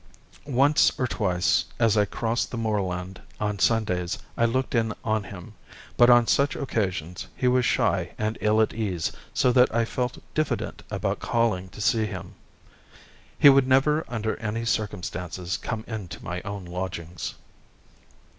Once or twice as I crossed the moorland on Sundays I looked in on him; but on such occasions he was shy and ill at ease so that I felt diffident about calling to see him. He would never under any circumstances come into my own lodgings.